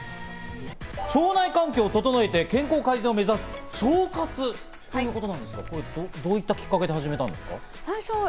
腸内環境を整えて健康改善を目指す腸活ということですが、きっかけは何だったんですか？